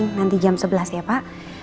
nanti jam sebelas ya pak